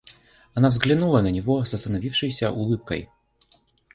Она взглянула на него с остановившеюся улыбкой.